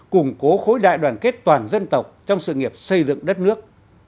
củng cố khối đại đoàn kết toàn dân tộc trong sự nghiệp xây dựng đất nước